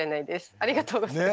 ありがとうございます！ね！